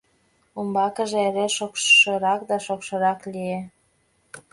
Умбакыже эре шокшырак да шокшырак лие.